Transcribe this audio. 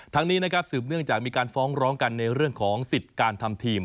นี้นะครับสืบเนื่องจากมีการฟ้องร้องกันในเรื่องของสิทธิ์การทำทีม